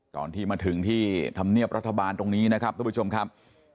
ตอนที่มาถึงที่ธรรมเนียบรัฐบาลตรงนี้นะครับทุกผู้ชมครับ